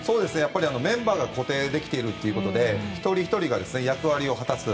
メンバーが固定できているということで一人ひとりが役割を果たす。